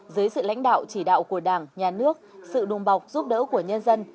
dưới sự lãnh đạo chỉ đạo của đảng nhà nước sự đùm bọc giúp đỡ của nhân dân